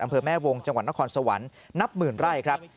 อำเภอแม่วงจังหวัดนครสวรรค์นับหมื่นไร่ครับ